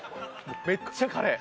めっちゃカレー！